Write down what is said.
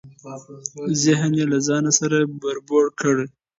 ذهن یې له ځانه سره بوړبوکۍ کړ.